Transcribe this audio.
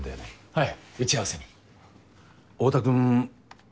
はい。